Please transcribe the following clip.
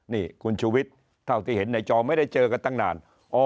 นี่คุณชูวิทย์เท่าที่เห็นในจอไม่ได้เจอกันตั้งนาน